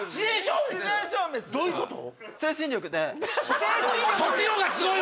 どういうこと？